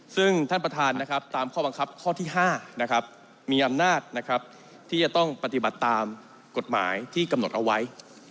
ซึ่งท่านประธานนะครับตามข้อบังคับข้อที่๕มีอำนาจที่จะต้องปฏิบัติตามกฎหมายที่กำหนดเอาไว้